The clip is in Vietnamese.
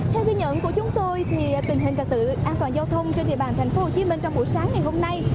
theo ghi nhận của chúng tôi tình hình trật tự an toàn giao thông trên địa bàn tp hcm trong buổi sáng ngày hôm nay